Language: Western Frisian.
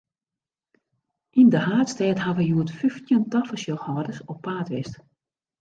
Yn de haadstêd hawwe hjoed fyftjin tafersjochhâlders op paad west.